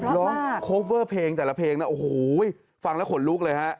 ร้องคอเวอร์เพลงแต่ละเพลงฟังแล้วขนลุกเลย